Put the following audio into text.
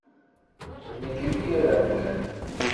D nekk i d yir amdan.